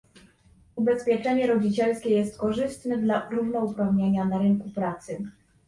Ubezpieczenie rodzicielskie jest korzystne dla równouprawnienia na rynku pracy